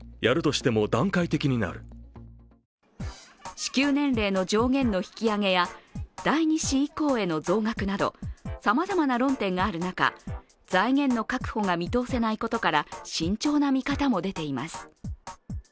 支給年齢の上限の引き上げや第２子以降行への増額などさまざまな論点がある中、財源の確保が見通せないことから慎重な見方も出ています。